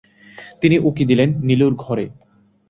তিনি উঁকি দিলেন নীলুর ঘরে।